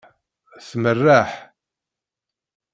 Tmerreḥ.